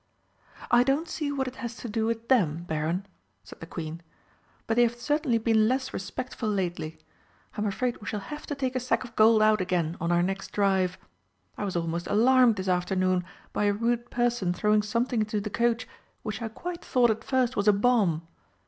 "I don't see what it has to do with them, Baron," said the Queen. "But they have certainly been less respectful lately. I'm afraid we shall have to take a sack of gold out again on our next drive. I was most alarmed this afternoon by a rude person throwing something into the coach which I quite thought at first was a bomb.